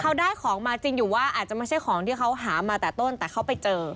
เขาได้ของมาจริงอยู่ว่าอาจจะไม่ใช่ของที่เขาหามาแต่ต้นแต่เขาไปเจอ